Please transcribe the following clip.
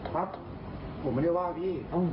ผมไม่ได้ว่าพี่